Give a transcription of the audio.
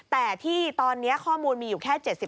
แต่ที่ตอนนี้ข้อมูลมีอยู่แค่๗๐